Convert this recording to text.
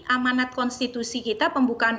amanat konstitusi kita pembukaan